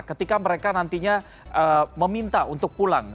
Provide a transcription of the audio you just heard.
ketika mereka nantinya meminta untuk pulang